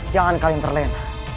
jangan kalian terlena